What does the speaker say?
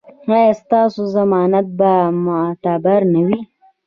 ایا ستاسو ضمانت به معتبر نه وي؟